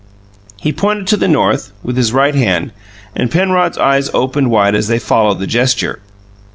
He pointed to the north with his right hand, and Penrod's eyes opened wide as they followed the gesture.